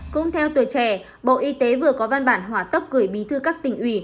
cũng theo tuổi trẻ bộ y tế vừa có văn bản hỏa tốc gửi bí thư các tỉnh ủy